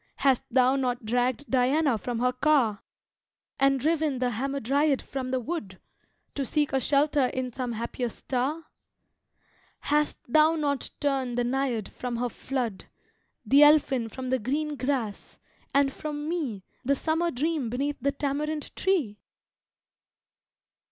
Hast thou not dragged Diana from her car? And driven the Hamadryad from the wood To seek a shelter in some happier star? Hast thou not torn the Naiad from her flood, The Elfin from the green grass, and from me The summer dream beneath the tamarind tree?